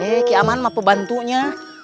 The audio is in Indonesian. eh keaman sama pembantunya